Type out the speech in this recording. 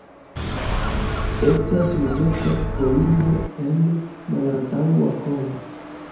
Estas ruĝeca kolumo en malantaŭa kolo.